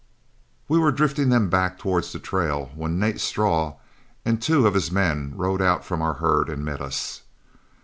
We were drifting them back towards the trail, when Nat Straw and two of his men rode out from our herd and met us.